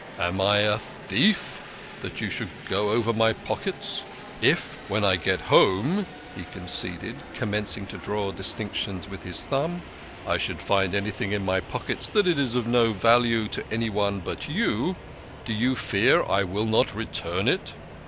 "Am I a thief that you should go over my pockets? If, when I get home," he conceded, commencing to draw dis tinctions with his thumb, " I should find anything in my pockets that is of no value to anybody but you, do you fear I will not return it